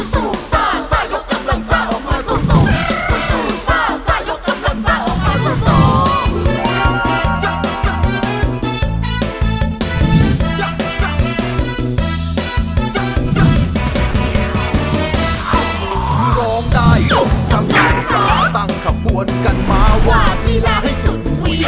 สู้สู้ซ่าซ่ายกกำลังซ่าออกมาสู้สู้